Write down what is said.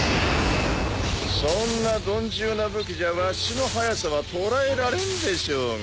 そんな鈍重な武器じゃわしの速さは捉えられんでしょうが。